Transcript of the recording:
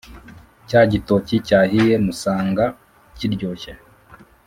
Cya gitoki cyahiye musanga kiryoshye